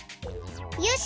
よし！